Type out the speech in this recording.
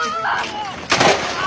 あ！